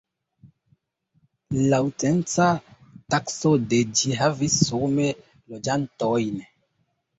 Laŭ censa takso de ĝi havis sume loĝantojn.